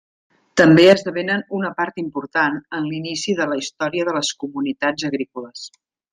També esdevenen una part important en l'inici de la història de les comunitats agrícoles.